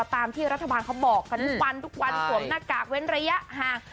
ตามที่รัฐบาลเขาบอกกันทุกวันทุกวันสวมหน้ากากเว้นระยะห่าง